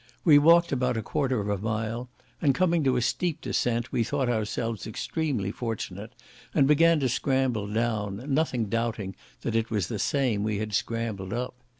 We walked about a quarter of a mile, and coming to a steep descent, we thought ourselves extremely fortunate, and began to scramble down, nothing doubting that it was the same we had scrambled up.